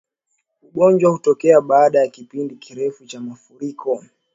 Ugonjwa hutokea baada ya kipindi kirefu cha maafuriko